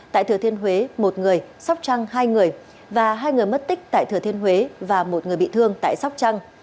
tại thừa thiên huế một người sóc trăng hai người và hai người mất tích tại thừa thiên huế và một người bị thương tại sóc trăng